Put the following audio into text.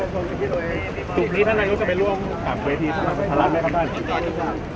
ถึงพลุกนี้ท่านล่ะน่าจะไปร่วมสัมเวทีทางสันตราสัมภัณฑ์ไหมครับท่าน